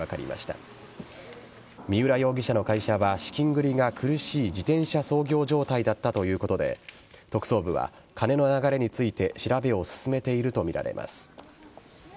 明日三浦容疑者の会社は資金繰りが苦しい自転車操業状態だったということで特捜部は金の流れについて調べを進めているとみられます。